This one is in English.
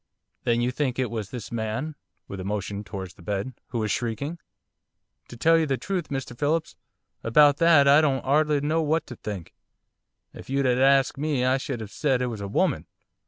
'Then you think it was this man' with a motion towards the bed 'who was shrieking?' 'To tell you the truth, Mr Phillips, about that I don't 'ardly know what to think. If you 'ad asked me I should 'ave said it was a woman.